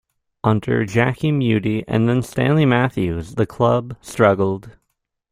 Under Jackie Mudie and then Stanley Matthews the club struggled.